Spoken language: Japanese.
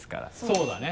そうだね。